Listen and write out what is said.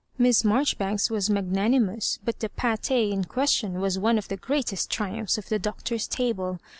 Miss Marjoribanks was magna nimous, but the pcUe in question was one of the greatest triumphs of the Doctor's table.